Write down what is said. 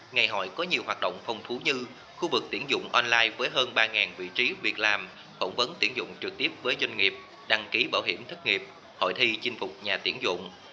ngày hội có nhiều hoạt động phong phú như khu vực tuyển dụng online với hơn ba vị trí việc làm phỏng vấn tuyển dụng trực tiếp với doanh nghiệp đăng ký bảo hiểm thất nghiệp hội thi chinh phục nhà tiễn dụng